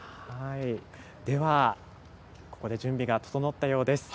では、ここで準備が整ったようです。